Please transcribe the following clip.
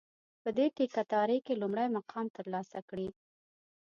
په دې ټېکه داري کې لومړی مقام ترلاسه کړي.